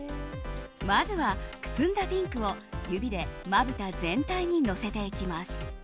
まずは、くすんだピンクを指でまぶた全体にのせていきます。